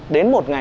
đến một ngày